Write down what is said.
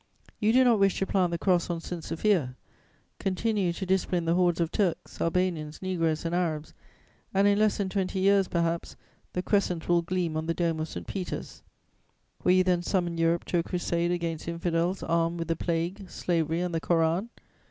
You do not wish to plant the Cross on St. Sophia: continue to discipline the hordes of Turks, Albanians, Negroes and Arabs, and, in less than twenty years, perhaps, the Crescent will gleam on the dome of St. Peter's. Will you then summon Europe to a crusade against infidels armed with the plague, slavery and the Koran?